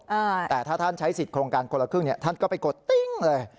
อ่าแต่ถ้าท่านใช้สิทธิ์โครงการคนละครึ่งเนี่ยท่านก็ไปกดติ้งเลย